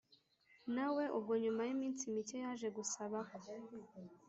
na we ubwo nyuma y’iminsi mike yaje gusaba ko